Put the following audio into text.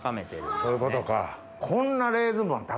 そういうことか。